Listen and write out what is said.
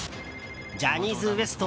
ジャニーズＷＥＳＴ